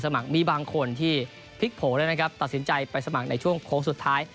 สมัครมีบางคนที่พลิกโผล่แล้วนะครับตัดสินใจไปสมัครในช่วงโค้งสุดท้าย